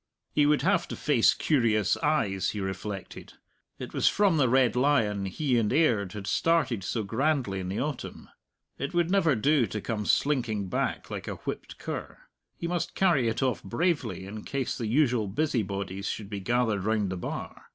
He would have to face curious eyes, he reflected. It was from the Red Lion he and Aird had started so grandly in the autumn. It would never do to come slinking back like a whipped cur; he must carry it off bravely in case the usual busybodies should be gathered round the bar.